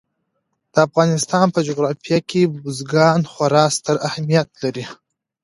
د افغانستان په جغرافیه کې بزګان خورا ستر اهمیت لري.